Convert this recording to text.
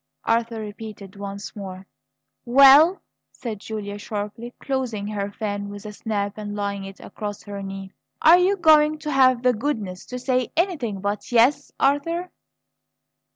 Arthur repeated once more. "Well?" said Julia sharply, closing her fan with a snap and laying it across her knee. "Are you going to have the goodness to say anything but 'Yes,' Arthur?"